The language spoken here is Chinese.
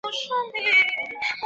由佐佐木英明主演。